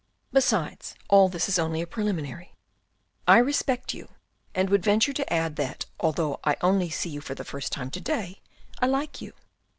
Besides, all this is only a preliminary. " I respect you and would venture to add that, although I only see you for the first time; to day, I like you.